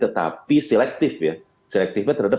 tetapi selektif ya selektifnya terhadap